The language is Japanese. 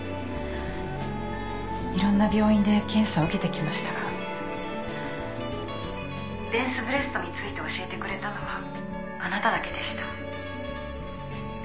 いろんな病院で検査を受けてきましたがデンスブレストについて教えてくれたのはあなただけでした。